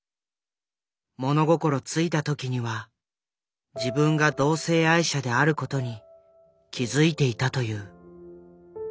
物心付いた時には自分が同性愛者である事に気付いていたという。